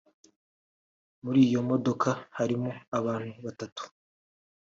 muri iyo modoka harimo abantu batatu